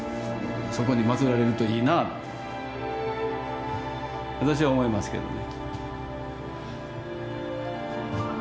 そこにまつられるといいなって私は思いますけどね。